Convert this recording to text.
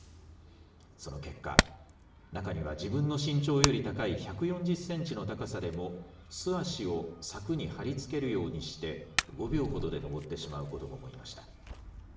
その結果、中には自分の身長より高い１４０センチの高さでも素足を柵に貼り付けるようにして５秒ほどで登ってしまう子どももいました。